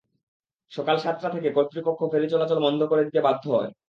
সকাল সাতটা থেকে কর্তৃপক্ষ ফেরি চলাচল বন্ধ করে দিতে বাধ্য হয়।